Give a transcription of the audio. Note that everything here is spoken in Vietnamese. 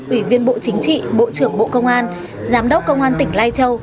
ủy viên bộ chính trị bộ trưởng bộ công an giám đốc công an tỉnh lai châu